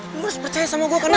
kamu harus percaya sama gue karena